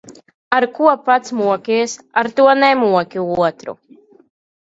Ar ko pats mokies, ar to nemoki otru.